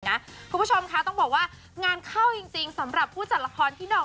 คุณผู้ชมคะต้องบอกว่างานเข้าจริงสำหรับผู้จัดละครพี่หน่อง